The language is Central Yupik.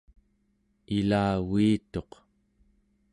ilaviituq